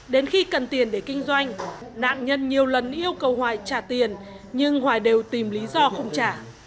đến khi cần tiền để kinh doanh nạn nhân nhiều lần yêu cầu hoài trả tiền nhưng hoài đều tìm lý do không trả